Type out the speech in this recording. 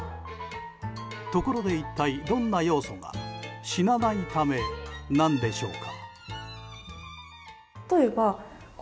ところで一体、どんな要素が死なないためなんでしょうか。